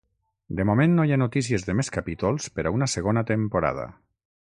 De moment no hi ha notícies de més capítols per a una segona temporada.